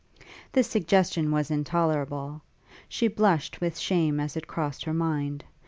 This suggestion was intolerable: she blushed with shame as it crossed her mind.